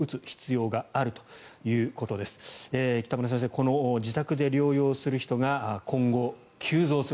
この自宅で療養する人が今後、急増する。